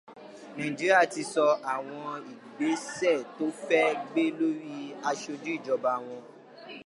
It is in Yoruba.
Nàíjíríà ti sọ àwọn ìgbésẹ̀ tó fẹ́ gbé lórí aṣojú ìjọba wọn.